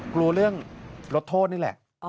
กลัวเรื่องลดโทษนี่แหละ